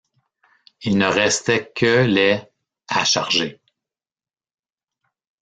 Il ne restait que les à charger.